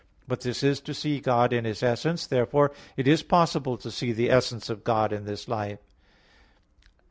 12:8); but this is to see God in His essence. Therefore it is possible to see the essence of God in this life.